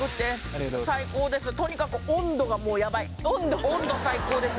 とにかく温度がもうやばい温度温度最高です